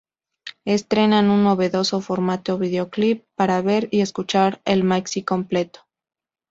Estrenan un novedoso formato videoclip para ver y escuchar el maxi completo.